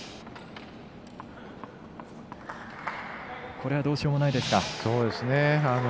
これはどうしようもないですか。